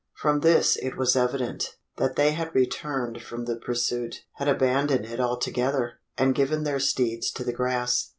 From this it was evident, that they had returned from the pursuit: had abandoned it altogether, and given their steeds to the grass.